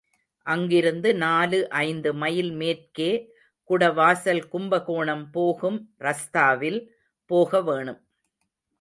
அங்கிருந்து நாலு, ஐந்து மைல் மேற்கே குடவாசல் கும்பகோணம் போகும் ரஸ்தாவில் போக வேணும்.